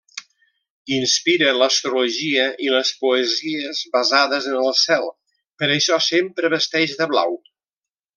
Inspira l'astrologia i les poesies basades en el cel: per això sempre vesteix de blau.